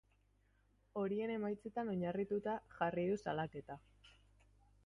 Horien emaitzetan oinarrituta jarri du salaketa.